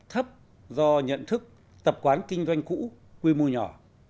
thấp do nhận thức tập quán kinh doanh cũ quy mô nhỏ